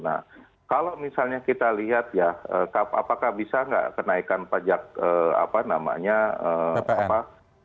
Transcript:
nah kalau misalnya kita lihat ya apakah bisa nggak kenaikan pajak apa namanya